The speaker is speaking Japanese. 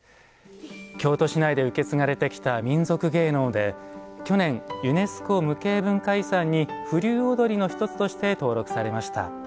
京都市内で受け継がれてきた民俗芸能で去年、ユネスコ無形文化遺産に風流踊りの１つとして登録されました。